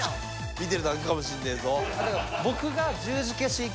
見てるだけかもしんねえぞ。